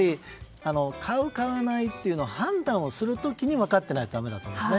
買う、買わないの判断をする時に分かっていないとだめだと思います。